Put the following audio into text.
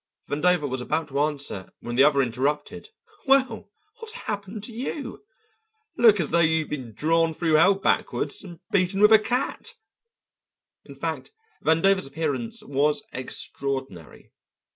Vandover was about to answer when the other interrupted: "Well, what's happened to you? Look as though you'd been drawn through hell backward and beaten with a cat!" In fact Vandover's appearance was extraordinary.